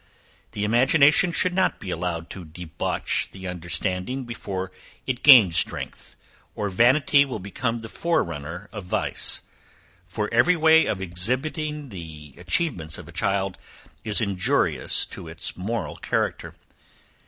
The imagination should not be allowed to debauch the understanding before it gained strength, or vanity will become the forerunner of vice: for every way of exhibiting the acquirements of a child is injurious to its moral character.